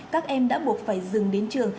các em đã buộc phải dừng đến trường